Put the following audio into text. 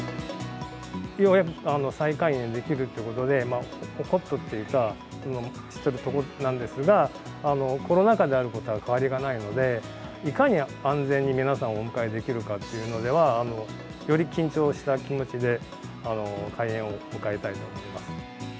ようやく再開園できるっていうことで、ほっとっていうか、してるところなんですが、コロナ禍であることは変わりがないので、いかに安全に皆さんをお迎えできるかっていうのでは、より緊張した気持ちで開園を迎えたいと思います。